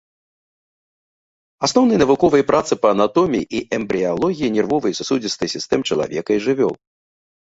Асноўныя навуковыя працы па анатоміі і эмбрыялогіі нервовай і сасудзістай сістэм чалавека і жывёл.